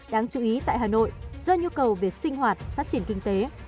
đáng chú ý tại hà nội do nhu cầu về sinh hoạt phát triển kinh tế